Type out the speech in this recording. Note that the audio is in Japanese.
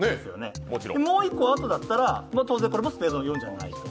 もう１個あとだったら、当然これもスペードの４じゃない。